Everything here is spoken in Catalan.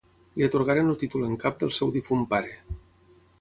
Li atorgaren el títol en cap del seu difunt pare.